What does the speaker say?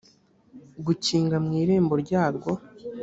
gukinga mu irembo ryarwo